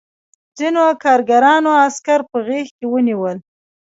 ځینو کارګرانو عسکر په غېږ کې ونیول